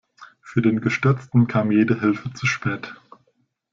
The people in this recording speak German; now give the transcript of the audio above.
Für den Gestürzten kam jede Hilfe zu spät.